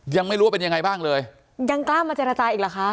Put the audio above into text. ยังไม่รู้ว่าเป็นยังไงบ้างเลยยังกล้ามาเจรจาอีกเหรอคะ